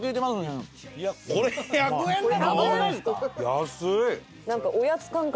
安い！